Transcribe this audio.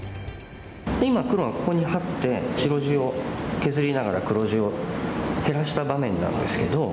今黒がここにハッて白地を削りながら黒地を減らした場面なんですけど。